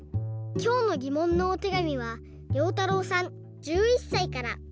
きょうのぎもんのおてがみはりょうたろうさん１１さいから。